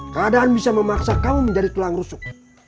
keadaan bisa memaksa kamu menjadi telang rusuk